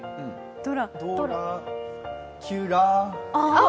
ドラキュラ？